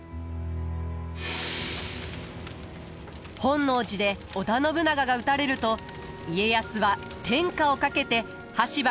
本能寺で織田信長が討たれると家康は天下をかけて羽柴秀吉と激突。